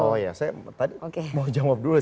oh ya saya tadi mau jawab dulu